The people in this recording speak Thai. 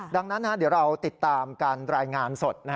ดังนั้นเดี๋ยวเราติดตามการรายงานสด